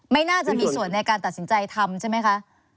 ไม่น่าจะมีส่วนในการตัดสินใจทำใช่ไหมคะ